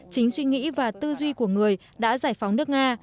chính suy nghĩ và tư duy của người đã giải phóng nước nga